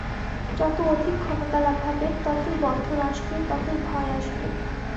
যত অধিক ক্ষমতা-লাভ হবে, ততই বন্ধন আসবে, ততই ভয় আসবে।